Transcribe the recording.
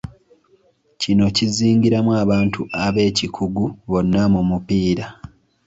Kino kizingiramu abantu ab'ekikugu bonna mu mupiira.